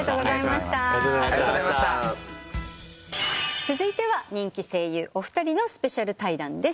続いては人気声優お二人のスペシャル対談です。